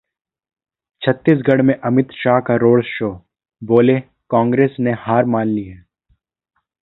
छत्तीसगढ़ में अमित शाह का road show, बोले- कांग्रेस ने हार मान ली है